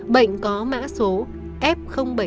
bệnh có mã số f bảy mươi